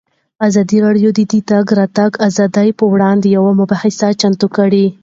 ازادي راډیو د د تګ راتګ ازادي پر وړاندې یوه مباحثه چمتو کړې.